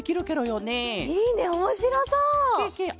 いいねおもしろそう！